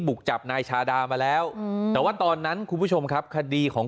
บุกจับนายชาดามาแล้วแต่ว่าตอนนั้นคุณผู้ชมครับคดีของ